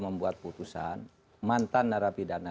membuat putusan mantan narapidana